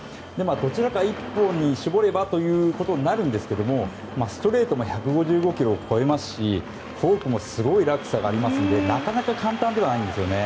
どちらか一本に絞ればということになるんですけれどもストレートも１５５キロを超えますしフォークもすごい落差がありますのでなかなか簡単ではないんですよね。